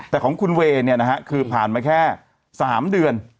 แต่ของคุณเวคือผ่านมาแค่๓เดือน